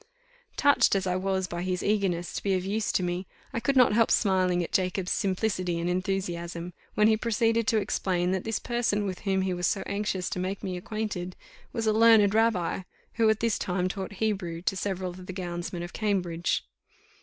Touched as I was by his eagerness to be of use to me, I could not help smiling at Jacob's simplicity and enthusiasm, when he proceeded to explain, that this person with whom he was so anxious to make me acquainted was a learned rabbi, who at this time taught Hebrew to several of the gownsmen of Cambridge.